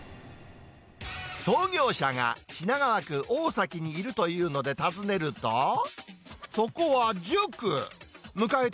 創業者が品川区大崎にいるというので、訪ねると、そこは塾。